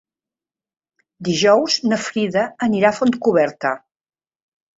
Dijous na Frida anirà a Fontcoberta.